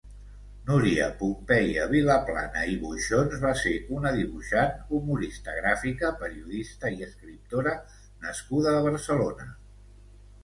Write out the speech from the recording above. Núria Pompeia Vilaplana i Boixons va ser una dibuixant, humorista gràfica, periodista i escriptora nascuda a Barcelona.